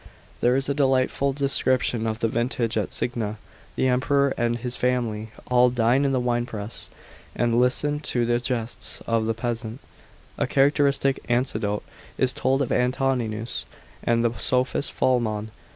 "* There is a delightful description of the vintage at Signia. The Emperor and hi < family all dine in the winepress, and listen to the jests of the peasant*. § 10. A characteristic anecdote is told of Antoninus and the sophist Polemon.